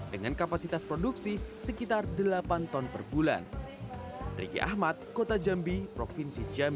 dengan kapasitas produksi sekitar delapan ton per bulan